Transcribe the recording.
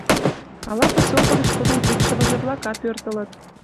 Ала поселко гыч тудын икшывыже-влакат пӧртылыт?